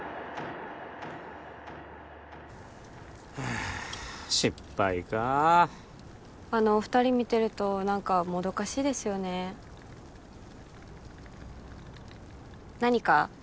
あ失敗かあのお二人見てると何かもどかしいですよね何か？